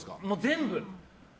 全部。